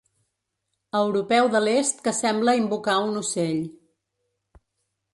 Europeu de l'est que sembla invocar un ocell.